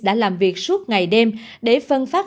đã làm việc suốt ngày đêm để phân phát